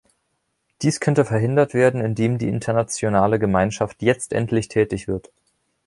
Dies könnte verhindert werden, indem die internationale Gemeinschaft jetzt endlich tätig wird.